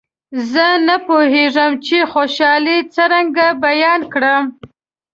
زه نه پوهېږم چې خوشالي څرنګه بیان کړم.